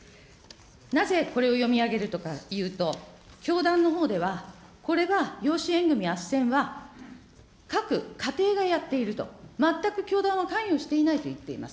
なぜこれを読み上げるかというと、教団のほうでは、これは養子縁組みあっせんは、各家庭がやっていると、全く教団は関与していないと言っています。